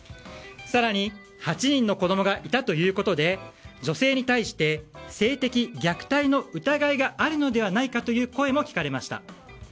更に８人の子供がいたということで女性に対して性的虐待の疑いがあるのではないかという声も聞かれました。